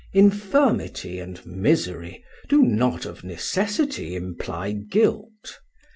Infirmity and misery do not of necessity imply guilt.